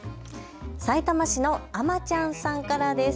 さいたま市のあまちゃんさんからです。